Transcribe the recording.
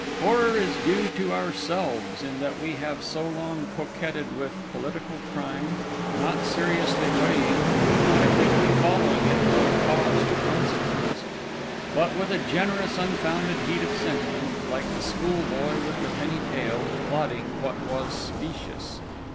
Horror is due to ourselves, in that we have so long coquetted with political crime; not seriously weighing, not acutely following it from cause to consequence; but with a generous, unfounded heat of sentiment, like the schoolboy with the penny tale, applauding what was specious.